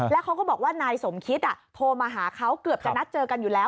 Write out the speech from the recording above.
แล้วเขาก็บอกว่านายสมคิตโทรมาหาเขาเกือบจะนัดเจอกันอยู่แล้ว